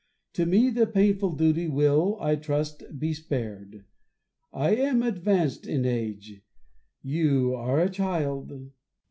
To me the painful duty will, 1 trust, be spared : I am advanced in age ; you are a child.